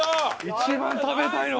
一番食べたいの。